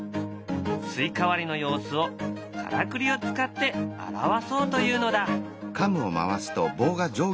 スイカ割りの様子をからくりを使って表そうというのだ。